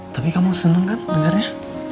tapi kamu seneng kan dengarnya